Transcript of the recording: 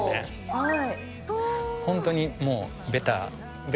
はい。